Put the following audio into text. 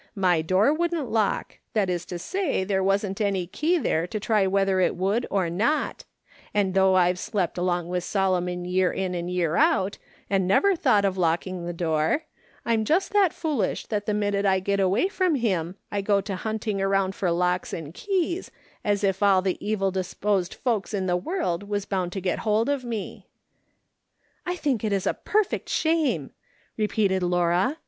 ]\Iy door wouldn't lock — that is to say, there wasn't any key there to try whether it would or not ; and though I've slept along with Solomon year in and year out, and never thought of locking the door, I'm just that foolish that the minute I get away from him I go to hunting around for locks and keys, as if all the evil disposed folks in the world was bound to get hold of me." " I think it is a perfect shame !" repeated Laura.